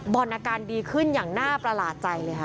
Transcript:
อาการดีขึ้นอย่างน่าประหลาดใจเลยค่ะ